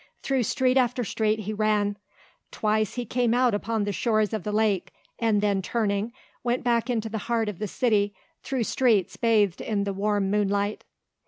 Through street after street he ran. Twice he came out upon the shores of the lake, and, then turning, went back into the heart of the city through streets bathed in the warm moonlight.